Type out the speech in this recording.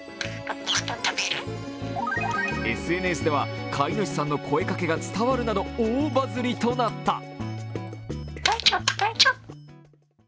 ＳＮＳでは、飼い主さんの声かけが伝わるなど、大バズりとなった。